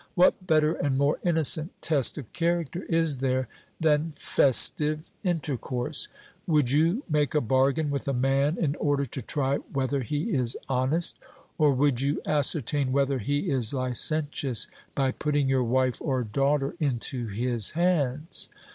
What better and more innocent test of character is there than festive intercourse? Would you make a bargain with a man in order to try whether he is honest? Or would you ascertain whether he is licentious by putting your wife or daughter into his hands?